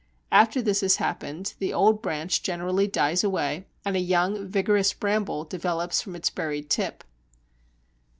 After this has happened the old branch generally dies away, and a young, vigorous Bramble develops from its buried tip.